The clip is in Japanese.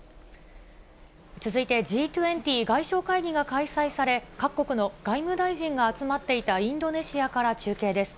続いてＧ２０外相会議が開催され、各国の外務大臣が集まっていたインドネシアから中継です。